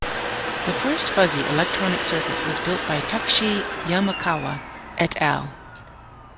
The first fuzzy electronic circuit was built by Takeshi Yamakawa "et al.